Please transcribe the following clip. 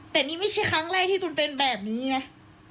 แต่นี่ไม่ใช่ครั้งแรกที่ตูนเป็นแบบนี้นะ